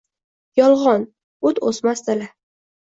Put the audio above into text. — Yolg’on — o’t o’smas dala.